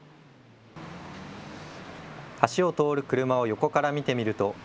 橋を通る車を横から見てみると。